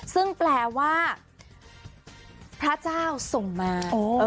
ซึ่งแปลว่าพระเจ้าส่งมา